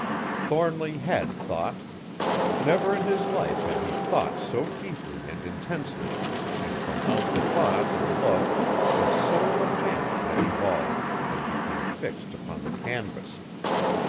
Thornly had thought! Never in his life had he thought so deeply and intensely, and from out the thought and love the soul of Janet had evolved and become fixed upon the canvas.